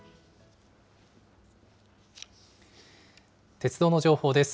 鉄道の情報です。